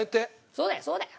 そうだよそうだよ。